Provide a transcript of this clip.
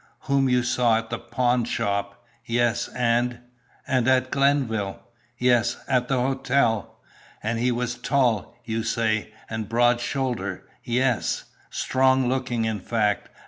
"Whom you saw at the pawnshop?" "Yes. And " "And at Glenville?" "Yes, at the hotel." "And he was tall, you say, and broad shouldered?" "Yes." "Strong looking, in fact.